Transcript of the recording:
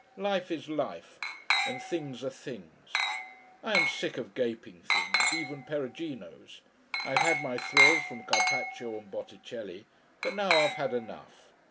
Life is life and things are things. I am sick of gaping things, even Peruginos. I have had my thrills from Carpaccio and Botticelli. But now I've had enough.